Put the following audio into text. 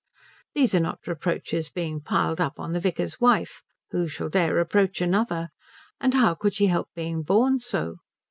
These are not reproaches being piled up on the vicar's wife; who shall dare reproach another? And how could she help being born so?